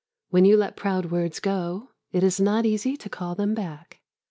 When you let proud words go, it is not easy to call them back.